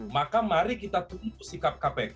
maka mari kita tunggu sikap kpk